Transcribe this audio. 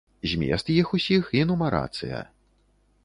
Змест іх усіх і нумарацыя.